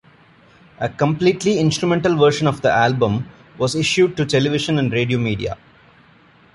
A completely instrumental version of the album was issued to television and radio media.